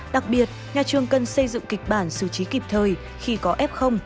đặc biệt nhà trường cần xây dựng kịch bản xử trí kịp thời khi có f